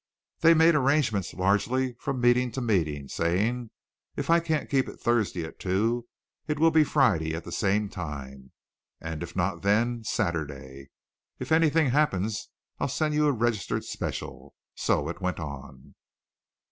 They made arrangements largely from meeting to meeting, saying, "If I can't keep it Thursday at two it will be Friday at the same time; and if not then, Saturday. If anything happens I'll send you a registered special." So it went on.